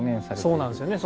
そうなんですよね。